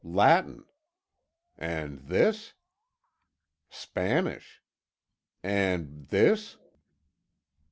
"Latin." "And this?" "Spanish." "And this?"